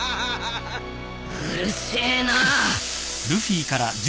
うるせえなぁ。